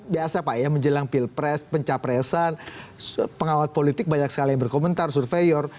biasa pak ya menjelang pilpres pencapresan pengawat politik banyak sekali yang berkomentar surveyor